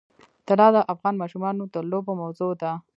طلا د افغان ماشومانو د لوبو موضوع ده.